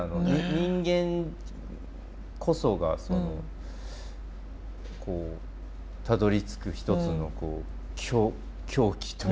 人間こそがこうたどりつく一つの狂気というか。